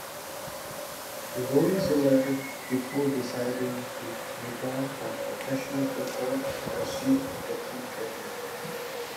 Roeselare before deciding to retire from professional football and pursue a different career.